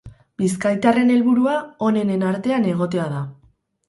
Bizkaitarraren helburua onenen artean egotea da.